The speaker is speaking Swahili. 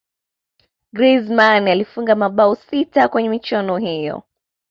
griezmann alifunga mabao sita kwenye michuano hiyo